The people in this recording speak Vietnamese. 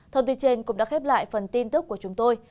thông tin trên cũng đã khép lại phần tin tức của chúng tôi